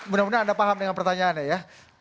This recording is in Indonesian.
benar benar anda paham dengan pertanyaannya ya